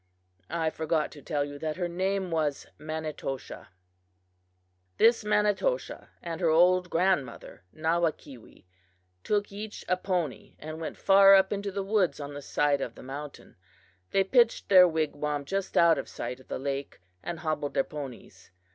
I forgot to tell you that her name was Manitoshaw. "This Manitoshaw and her old grandmother, Nawakewee, took each a pony and went far up into the woods on the side of the mountain. They pitched their wigwam just out of sight of the lake, and hobbled their ponies.